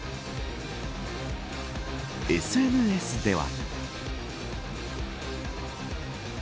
ＳＮＳでは。